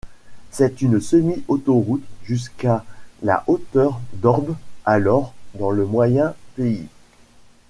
C'est une semi-autoroute jusqu'à la hauteur d'Orbe, alors dans le Moyen-Pays.